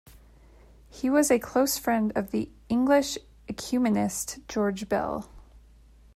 He was a close friend of the English ecumenist George Bell.